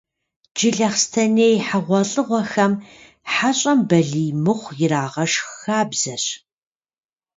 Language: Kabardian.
Джылэхъстэней хьэгъуэлӏыгъуэхэм хьэщӏэм «балий мыхъу» ирагъэшх хабзэщ.